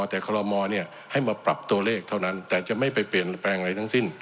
แต่คอลโมให้มาปรับตัวเลขเท่านั้นแต่จะไม่ไปเปลี่ยนแปลงอะไรทั้งสิ้น